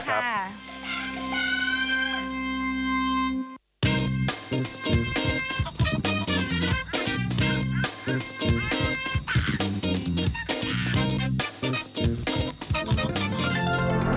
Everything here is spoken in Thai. สวัสดีค่ะ